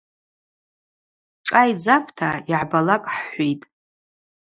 Хӏшӏа айдзапӏта йыгӏбалакӏ хӏхӏвитӏ.